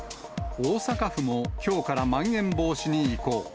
大阪府もきょうからまん延防止に移行。